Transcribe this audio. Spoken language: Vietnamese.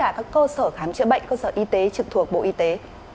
tất cả các cơ sở khám trữa bệnh cơ sở y tế trực thuộc bộ y tế